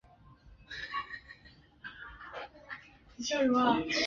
北齐军坚守河阳中潭城。